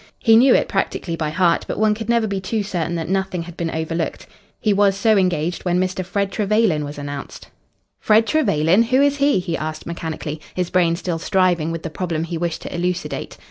He knew it practically by heart, but one could never be too certain that nothing had been overlooked. He was so engaged when Mr. Fred Trevelyan was announced. "Fred Trevelyan? Who is he?" he asked mechanically, his brain still striving with the problem he wished to elucidate.